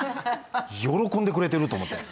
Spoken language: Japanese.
「喜んでくれてる！」と思って。